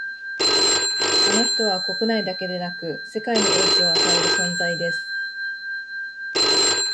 あの人は国内だけでなく世界に影響を与える存在です